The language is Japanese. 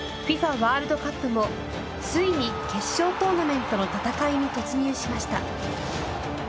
ワールドカップもついに決勝トーナメントの戦いに突入しました。